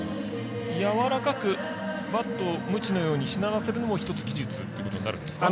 やわらかくバットをムチのようにしならせるのも１つ技術っていうことになるんですか。